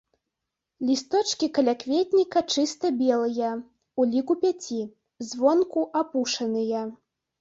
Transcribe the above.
Лісточкі калякветніка чыста белыя, у ліку пяці, звонку апушаныя.